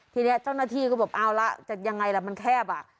ทีนี้เจ้าหน้าที่ก็บอกเอาละจะยังไงล่ะมันแคบอ่ะ